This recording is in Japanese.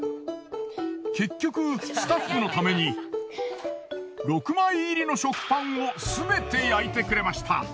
結局スタッフのために６枚入りの食パンを全て焼いてくれました。